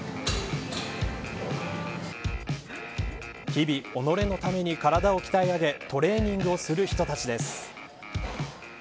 日々、己のために体を鍛え上げトレーニングをする人たちです。